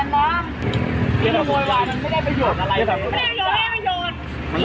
แมส